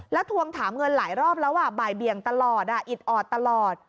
แล้วทวงถามเงินหลายรอบแล้วบ่ายเบียงตลอดอิดออดตลอด